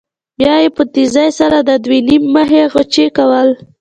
بیا به یې په تېزۍ سره د دوی نیم مخي غچي کول.